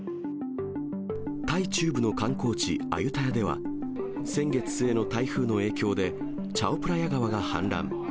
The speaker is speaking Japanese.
タイ中部の観光地、アユタヤでは、先月末の台風の影響で、チャオプラヤ川が氾濫。